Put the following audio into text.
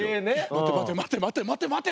待て待て待て待て待て待て。